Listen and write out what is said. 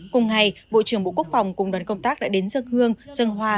cùng ngày bộ trưởng bộ quốc phòng cùng đoàn công tác đã đến dân hương dân hoa